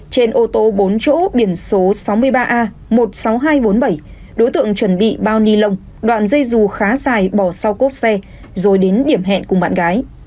trên ô tô bốn chỗ biển số sáu mươi ba a một mươi sáu nghìn hai trăm bốn mươi bảy đối tượng chuẩn bị bao ni lông đoạn dây dù khá dài bỏ sau cốp xe rồi đến điểm hẹn cùng bạn gái